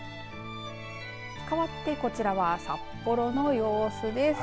かわってこちらは札幌の様子です。